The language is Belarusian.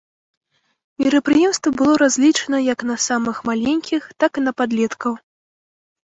Мерапрыемства было разлічана як на самых маленькіх, так і на падлеткаў.